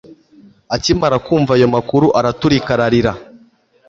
akimara kumva ayo makuru, araturika ararira